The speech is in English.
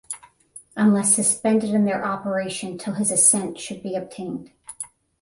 unless suspended in their operation till his Assent should be obtained;